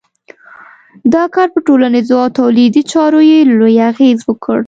دا کار پر ټولنیزو او تولیدي چارو یې لوی اغېز وکړ.